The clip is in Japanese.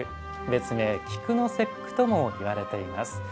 別名、菊の節句ともいわれています。